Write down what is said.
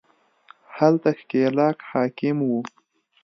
هلته ښکېلاک حاکم وو